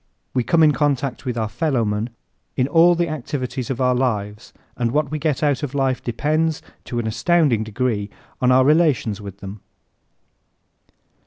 We come in contact with our fellowman in all the activities of our lives and what we get out of life depends, to an astounding degree, on our relations with him.